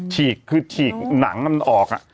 ฉีกคือฉีกหนังมันออก